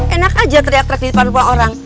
enak aja teriak terkini pada dua orang